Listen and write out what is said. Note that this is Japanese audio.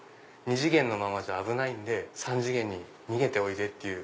２次元のままじゃ危ないんで３次元に逃げておいでっていう。